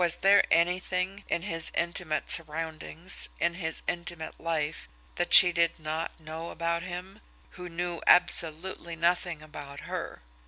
Was there anything, in his intimate surroundings, in his intimate life, that she did not know about him who knew absolutely nothing about her!